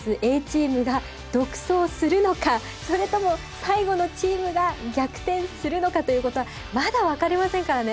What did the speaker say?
それとも最後のチームが逆転するのかということはまだ分かりませんからね。